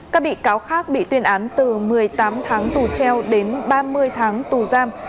các bị cáo khác bị tuyên án từ một mươi tám tháng tù treo đến ba mươi tháng tù giam